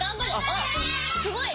あっすごい。